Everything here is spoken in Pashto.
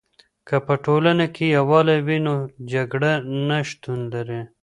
که په ټولنه کې یوالی وي، نو جګړه نه شتون لري.